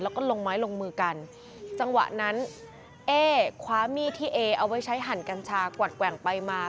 แล้วก็ลงไม้ลงมือกันจังหวะนั้นเอ๊คว้ามีดที่เอเอาไว้ใช้หั่นกัญชากวัดแกว่งไปมา